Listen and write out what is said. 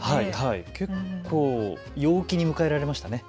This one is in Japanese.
結構、陽気に迎えられましたね。